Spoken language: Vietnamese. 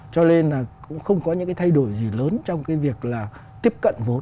cho nên là cũng không có những cái thay đổi gì lớn trong cái việc là tiếp cận vốn